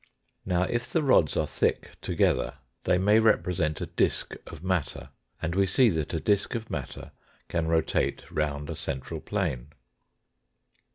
Now, if the rods are thick together, they may represent a disk of matter, and we see that a disk of matter can rotate round a central plane.